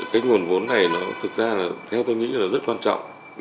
cái nguồn vốn này nó thực ra là theo tôi nghĩ là rất quan trọng